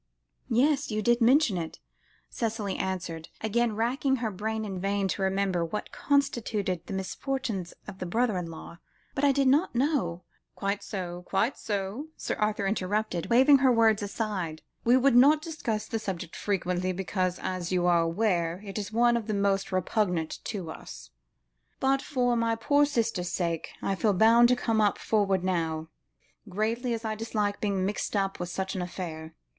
"Yes, you did mention it," Cicely answered, again racking her brain in vain to remember what constituted the misfortunes of the brother in law, "but I did not know " "Quite so, quite so," Sir Arthur interrupted, waving her words aside; "we do not discuss the subject frequently, because, as you are aware, it is one which is most repugnant to us. But, for my poor sister's sake, I feel bound to come forward now, greatly as I dislike being mixed up with such an affair.